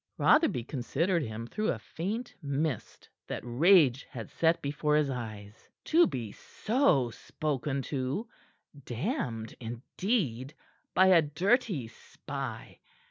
Rotherby considered him through a faint mist that rage had set before his eyes. To be so spoken to damned indeed! by a dirty spy!